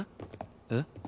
えっ？